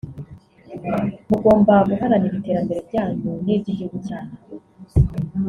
mugomba guharanira iterambere ryanyu n’iry’igihugu cyanyu”